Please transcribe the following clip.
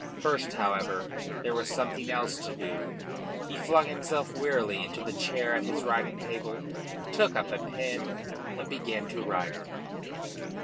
First, however, there was something else to do. He flung himself wearily into the chair at his writing table, took up a pen and began to write.